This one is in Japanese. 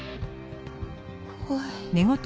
怖い。